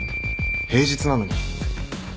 平日なのに。